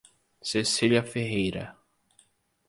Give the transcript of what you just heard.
Cecilia Ferreira